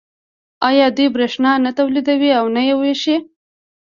آیا دوی بریښنا نه تولیدوي او نه یې ویشي؟